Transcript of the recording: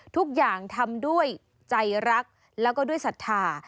ทุกอย่างทำด้วยใจรักแล้วก็ด้วยศรัทธา